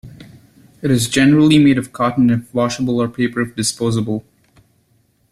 It is generally made of cotton if washable or paper if disposable.